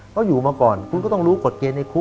เขาอยู่มาก่อนคุณก็ต้องรู้กฎเกณฑ์ในคุก